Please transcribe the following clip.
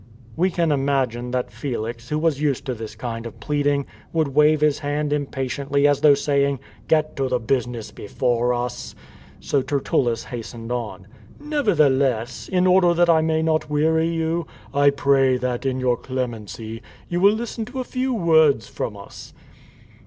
We can imagine that Felix, who was used to this kind of pleading, would wave his hand impatiently as though saying, " Get to the business before us." So Tertullus hastened on. " Nevertheless, in order that I may not weary you, I pray that, in your clemency, you will listen to a few words from us."